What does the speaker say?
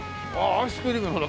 アイスクリームにほら。